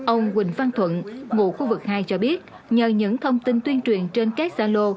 ông quỳnh văn thuận ngụ khu vực hai cho biết nhờ những thông tin tuyên truyền trên các gia lô